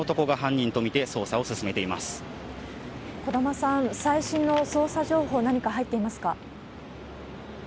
児玉さん、最新の捜査情報、何か入っていますか？